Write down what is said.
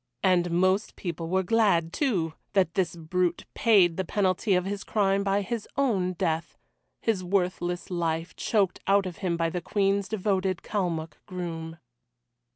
And most people were glad, too, that this brute paid the penalty of his crime by his own death his worthless life choked out of him by the Queen's devoted Kalmuck groom.